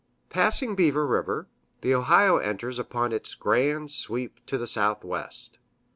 Passing Beaver River, the Ohio enters upon its grand sweep to the southwest.